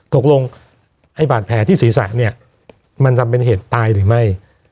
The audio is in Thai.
ตกลงบาดแผลที่ศีรษะมันทำเป็นเหตุตายหรือไม่